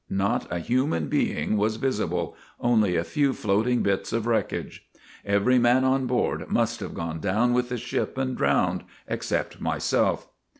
Not a human being was visible, only a few floating bits of wreckage. Every man on board must have gone down with the ship and drowned, except myself.